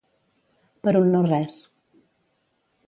Per un no res.